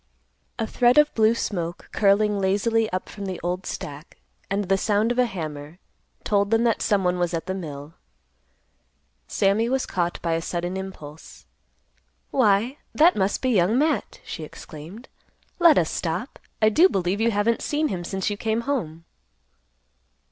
A thread of blue smoke, curling lazily up from the old stack, and the sound of a hammer, told them that some one was at the mill. Sammy was caught by a sudden impulse. "Why, that must be Young Matt!" she exclaimed. "Let us stop. I do believe you haven't seen him since you came home."